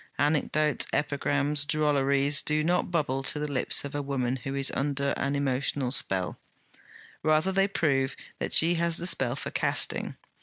Anecdotes, epigrams, drolleries, do not bubble to the lips of a woman who is under an emotional spell: rather they prove that she has the spell for casting.